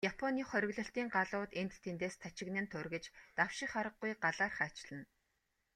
Японы хориглолтын галууд энд тэндээс тачигнан тургиж, давших аргагүй галаар хайчилна.